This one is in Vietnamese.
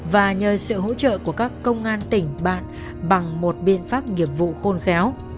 và nhờ sự hỗ trợ của các công an tỉnh bạn bằng một biện pháp nghiệp vụ khôn khéo